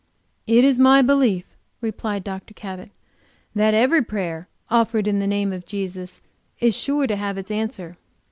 "It is my belief," replied Dr. Cabot, "that every prayer offered in the name of Jesus is sure to have its answer.